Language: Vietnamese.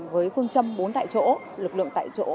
với phương châm bốn tại chỗ lực lượng tại chỗ